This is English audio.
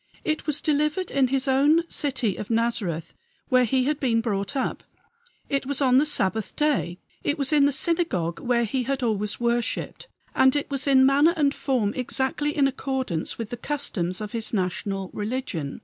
It was delivered in his own city of Nazareth, where he had been brought up; it was on the Sabbath day; it was in the synagogue where he had always worshiped; and it was in manner and form exactly in accordance with the customs of his national religion.